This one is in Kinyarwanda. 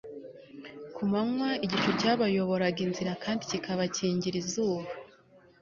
ku manywa igicu cyabayoboraga inzira kandi kikabakingira izuba